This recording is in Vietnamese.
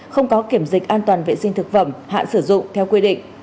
không có kiểm dịch an toàn vệ sinh thực phẩm hạn sử dụng theo quy định